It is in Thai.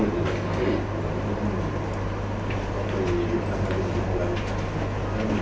ส่วนที่ไม่ดี